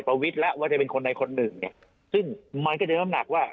วิทย์แล้วว่าจะเป็นคนใดคนหนึ่งเนี่ยซึ่งมันก็จะมีน้ำหนักว่า